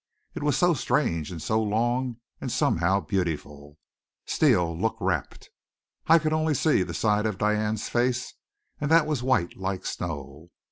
It was so strange and so long, and somehow beautiful. Steele looked rapt. I could only see the side of Diane's face, and that was white, like snow.